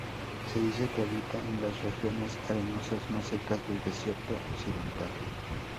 Se dice que habita en las regiones arenosas más secas del desierto occidental.